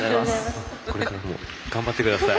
これからも頑張ってください。